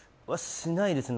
しないですね。